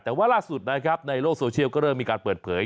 แต่ว่าล่าสุดนะครับในโลกโซเชียลก็เริ่มมีการเปิดเผย